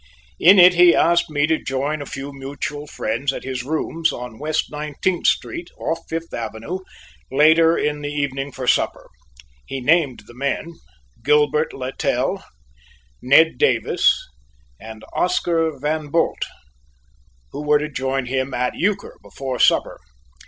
In it he asked me to join a few mutual friends at his rooms on West Nineteenth Street off Fifth Avenue later in the evening for supper. He named the men Gilbert Littell, Ned Davis, and Oscar Van Bult who were to join him at euchre before supper.